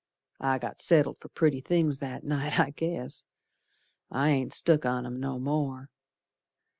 I got settled for pretty things that night, I guess. I ain't stuck on 'em no more.